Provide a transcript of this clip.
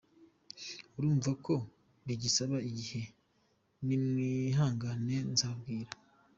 Urumva ko bigisaba igihe nimwihangane nzababwira.